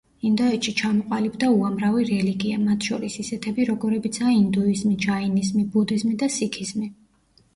ინდოეთში ჩამოყალიბდა უამრავი რელიგია, მათ შორის ისეთები, როგორებიცაა ინდუიზმი, ჯაინიზმი, ბუდიზმი, და სიქიზმი.